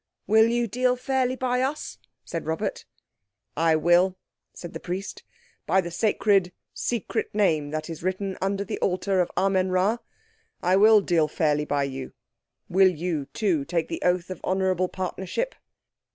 "Will you deal fairly by us?" said Robert. "I will," said the Priest. "By the sacred, secret name that is written under the Altar of Amen Rā, I will deal fairly by you. Will you, too, take the oath of honourable partnership?"